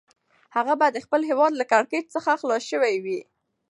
هغه به د خپل هیواد له کړکېچ څخه خلاص شوی وي.